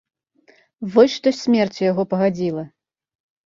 Вось што з смерцю яго пагадзіла!